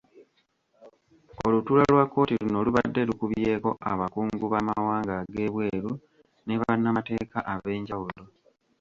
Olutuula lwa kkooti luno lubadde lukubyeko abakungu b’amawanga ag’ebweru ne bannamateeka ab’enjawulo.